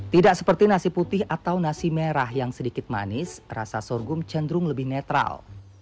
tidak seperti nasi putih atau nasi merah yang sedikit manis rasa sorghum cenderung lebih netral